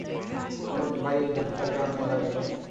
আমাদের ভাই ঐ দানবটার কারণে মারা গেল।